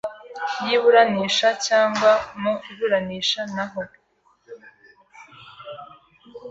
y iburanisha cyangwa mu iburanisha n aho